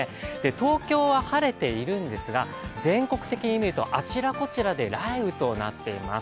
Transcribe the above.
東京は晴れているんですが、全国的に見るとあちらこちらで雷雨となっています。